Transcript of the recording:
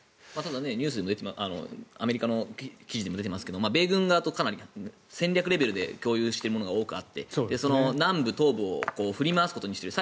ニュースでもアメリカの記事でも出てますが米軍側とかなり戦略レベルで共有しているところがあって南部、東部を振り回すことにしている。